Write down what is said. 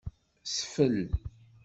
Sfel.